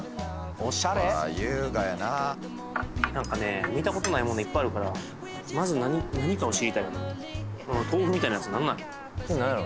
オシャレああー優雅やななんかね見たことないものいっぱいあるからまず何かを知りたいこの豆腐みたいなやつなんなんやろ？